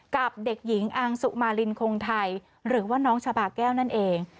กับเด็กหญิงอังสุมารินคงไทยหรือว่าน้องชาบาแก้วนั่นเอง